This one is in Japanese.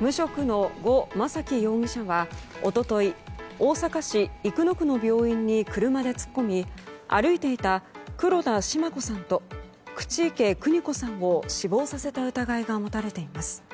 無職のゴ・マサキ容疑者は一昨日大阪市生野区の病院に車で突っ込み歩いていた黒田シマ子さんと口池邦子さんを死亡させた疑いが持たれています。